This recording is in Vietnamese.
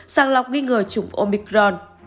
sàng lọc nghi ngờ chủng omicron